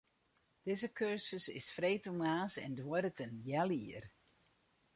Dizze kursus is freedtemoarns en duorret in heal jier.